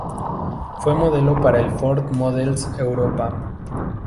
Fue modelo para el Ford Models Europa.